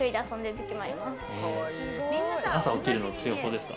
朝起きるの強い方ですか？